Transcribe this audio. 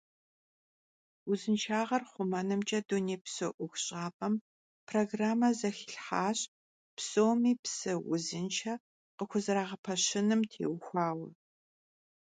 Vuzınşşağer xhumenımç'e dunêypso 'Uexuş'ap'em programme zexilhhaş psomi psı vuzınşşe khıxuzerağepeşınım têuxuaue.